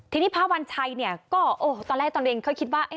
ที่นี่พระวัลชัยก็ตอนแรกตอนนั้นเขาคิดว่า